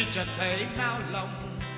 chẳng thấy nao lòng